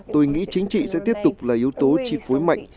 tôi nghĩ chính trị sẽ tiếp tục là yếu tố chi phối mạnh